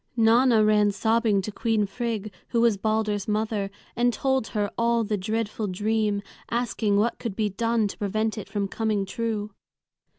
Nanna ran sobbing to Queen Frigg, who was Balder's mother, and told her all the dreadful dream, asking what could be done to prevent it from coming true.